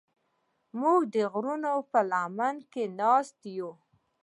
موږ د غرونو په لمنه کې ناست یو.